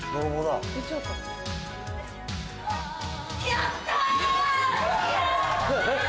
やった！